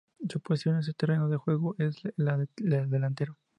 Su posición en el terreno de juego es la de delantero.